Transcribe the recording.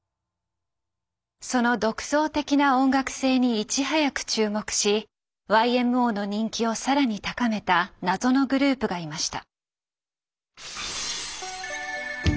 その独創的な音楽性にいち早く注目しＹＭＯの人気を更に高めた謎のグループがいました。